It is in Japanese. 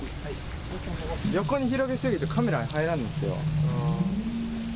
横に広げ過ぎるとカメラに入らんですよ。